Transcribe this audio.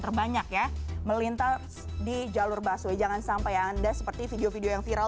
terbanyak ya melintas di jalur busway jangan sampai anda seperti video video yang viral